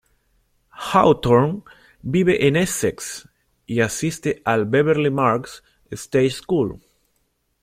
Hawthorn vive en Essex y asiste al Beverly Marks Stage School.